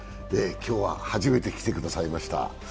今日は初めて来てくださいました。